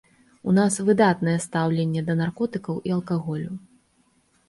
У нас выдатнае стаўленне да наркотыкаў і алкаголю.